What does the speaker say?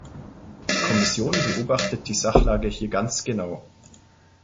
Die Kommission beobachtet die Sachlage hier ganz genau.